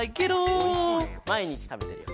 まいにちたべてるよ。